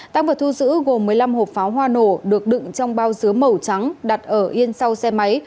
tăng vật thu giữ gồm một mươi năm hộp pháo hoa nổ được đựng trong bao dứa màu trắng đặt ở yên sau xe máy